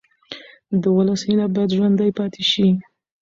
د ولس هیله باید ژوندۍ پاتې شي